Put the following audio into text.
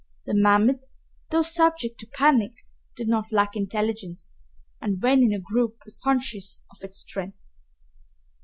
The mammoth, though subject to panic, did not lack intelligence and when in a group was conscious of its strength.